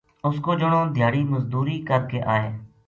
اُ س کو جنو دھیاڑی مزدوری کر کے آئے